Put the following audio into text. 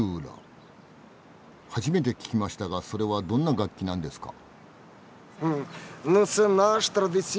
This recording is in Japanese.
初めて聞きましたがそれはどんな楽器なんですか？